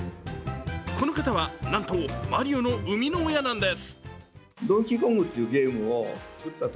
この方は、なんと「マリオ」の生みの親なんです。